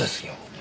え？